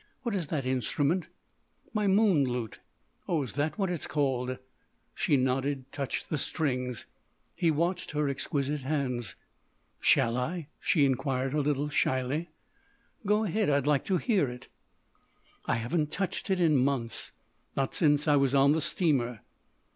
What is that instrument?" "My moon lute." "Oh, is that what it's called?" She nodded, touched the strings. He watched her exquisite hands. "Shall I?" she inquired a little shyly. "Go ahead. I'd like to hear it!" "I haven't touched it in months—not since I was on the steamer."